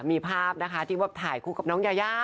มีภาพนะคะที่ว่าถ่ายคู่กับน้องยายา